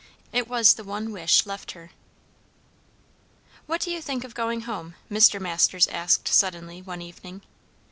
It was the one wish left her. "What do you think of going home?" Mr. Masters asked suddenly one evening.